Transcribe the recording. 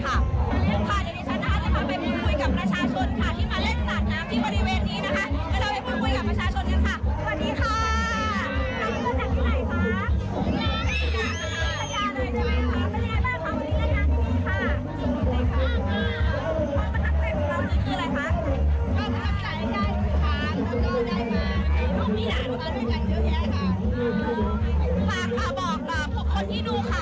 ค่ะอย่างนี้ฉันนะคะจะพาไปพูดคุยกับประชาชนค่ะที่มาเล่นสนัดน้ำที่บริเวณนี้นะคะ